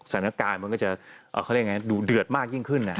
สถานการณ์ก็จะดูเดือดมากยิ่งขึ้น